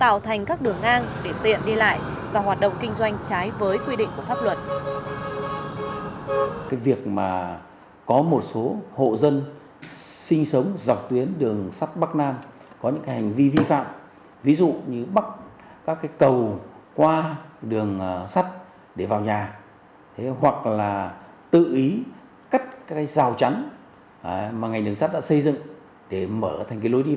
tạo thành các đường ngang để tiện đi lại và hoạt động kinh doanh trái với quy định của pháp luật